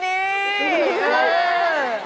เฮ่ย